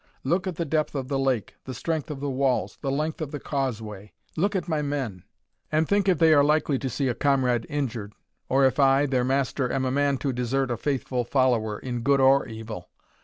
Look at the depth of the lake, the strength of the walls, the length of the causeway look at my men, and think if they are likely to see a comrade injured, or if I, their master, am a man to desert a faithful follower, in good or evil.